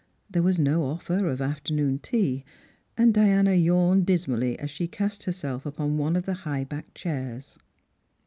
There was no offer of afternoon tea, and Diana yawned dismally as she cast herself upon one of the high backed chairs.